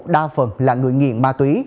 đa phần là người nghiện ma túy